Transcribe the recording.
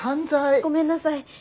ごめんなさい。